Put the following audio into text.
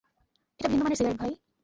এটা ভিন্ন মানের সিগারেট, ভাই!